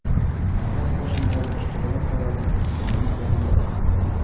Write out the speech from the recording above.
Ағас башындағы ҡоштарға ҡарап бармаҡ янап алған була.